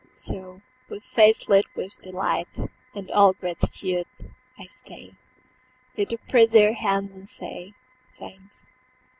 So, with face lit with delight And all gratitude, I stay Yet to press their hands and say, "Thanks.